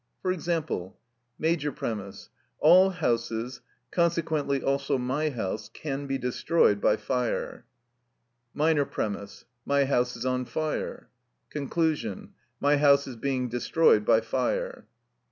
For example: Maj. All houses (consequently also my house) can be destroyed by fire. Min. My house is on fire. Concl. My house is being destroyed by fire.